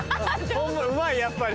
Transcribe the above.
うまいやっぱり。